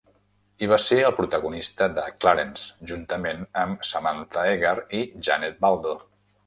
I va ser el protagonista de 'Clarence', juntament amb Samantha Eggar i Janet Waldo.